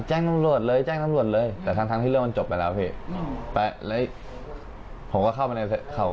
แจ้งตำรวจเลยแจ้งตำรวจเลยแต่ทั้งที่เรื่องมันจบไปแล้วพี่